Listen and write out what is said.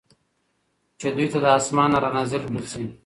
چې دوی ته د آسمان نه را نازل کړل شي